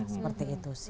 seperti itu sih